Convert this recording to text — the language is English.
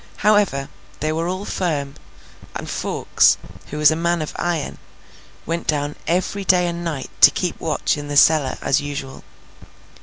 However, they were all firm; and Fawkes, who was a man of iron, went down every day and night to keep watch in the cellar as usual.